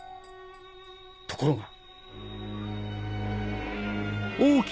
ところが。